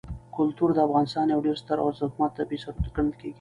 کلتور د افغانستان یو ډېر ستر او ارزښتمن طبعي ثروت ګڼل کېږي.